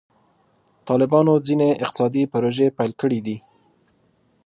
طالبانو ځینې اقتصادي پروژې پیل کړي دي.